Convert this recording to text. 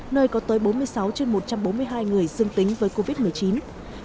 nơi có tới bốn mươi sáu trên một trăm bốn mươi hai người dương tính với covid một mươi chín